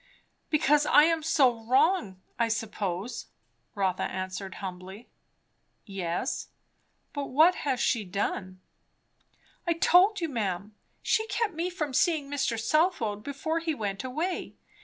"Because I am so wrong, I suppose," Rotha answered humbly. "Yes, but what has she done?" "I told you, ma'am. She kept me from seeing Mr. Southwode before he went away.